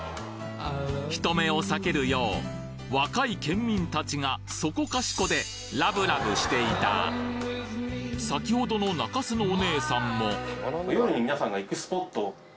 人目を避けるよう若い県民たちがそこかしこでラブラブしていた先ほどのその時。